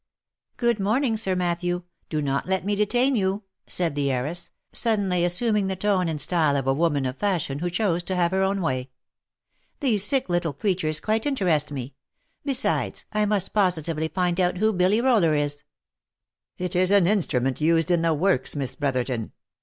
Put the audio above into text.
" Good morning, Sir Matthew, do not let me detain you," said the heiress, suddenly assuming the tone and style of a woman of fashion who chose to have her own way. " These sick little creatures quite interest me. Besides, I must positively find out who Billy Roller is." " It is an instrument used in the works, Miss Brotherton.